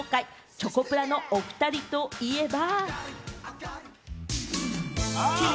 チョコプラのおふたりといえば。